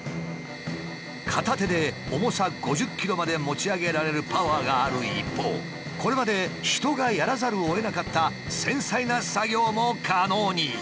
片手で重さ５０ｋｇまで持ち上げられるパワーがある一方これまで人がやらざるをえなかった繊細な作業も可能に。